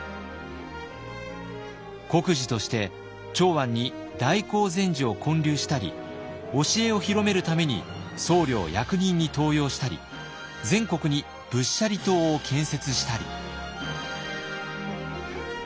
国寺として長安に大興善寺を建立したり教えを広めるために僧侶を役人に登用したり全国に仏舎利塔を建設したり。